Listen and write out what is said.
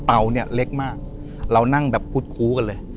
เนี่ยเล็กมากเรานั่งแบบคุดคู้กันเลย